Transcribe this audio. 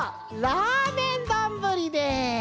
ラーメンどんぶりです！